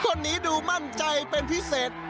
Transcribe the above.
คนนี้ดูมั่นใจเป็นพิเศษ